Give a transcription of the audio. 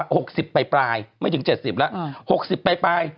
หกสิบไปปลายไม่คือเจ็ดสิบแล้วหกสิบไปไป